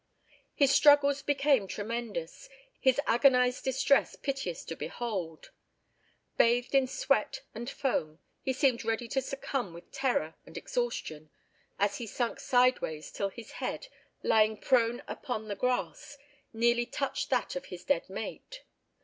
His struggles became tremendous, his agonised distress piteous to behold. Bathed in sweat and foam he seemed ready to succumb with terror and exhaustion, as he sunk sideways till his head, lying prone upon the grass, nearly touched that of his dead mate.